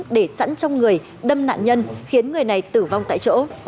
để sẵn trong người đâm nạn nhân khiến người này tử vong tại chỗ